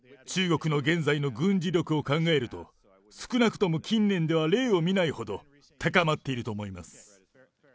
中国の現在の軍事力を考えると、少なくとも近年では例を見ないほど、高まっていると思います。